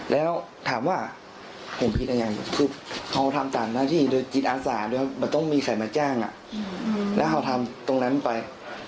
แล้วเขาทำตรงนั้นไป